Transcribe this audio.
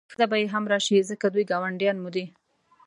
ښځه به یې هم راشي ځکه دوی ګاونډیان مو دي.